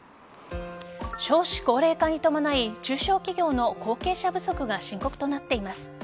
少子高齢化に伴い中小企業の後継者不足が深刻となっています。